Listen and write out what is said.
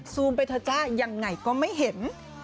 ไปเถอะจ้ายังไงก็ไม่เห็น